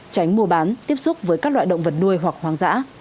tránh mua bán tiếp xúc với các loại động vật nuôi hoặc hoang dã